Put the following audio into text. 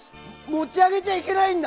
持ち上げちゃいけないんだ！